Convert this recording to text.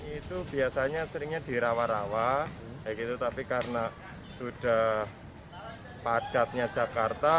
itu biasanya seringnya dirawa rawa tapi karena sudah padatnya jakarta